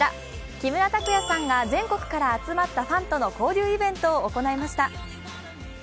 木村拓哉さんが全国から集まったファンとの交流イベントを行いました。